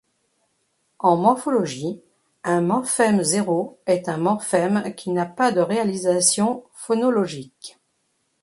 En morphologie, un morphème zéro est un morphème qui n'a pas de réalisation phonologique.